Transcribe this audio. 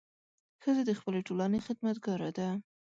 ښځه د خپلې ټولنې خدمتګاره ده.